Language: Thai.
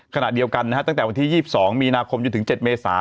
ขนาดเดียวกันตั้งแต่วัน๒๒มีนาคมยุ่นถึง๗เมษา